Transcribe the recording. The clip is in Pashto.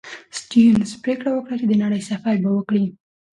سټيونز پرېکړه وکړه چې د نړۍ سفر به وکړي.